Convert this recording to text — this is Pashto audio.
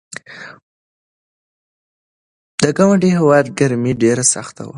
د ګاونډي هیواد ګرمي ډېره سخته وه.